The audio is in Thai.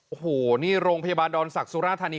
โอ้โหนี่โรงพยาบาลดอนศักดิสุราธานี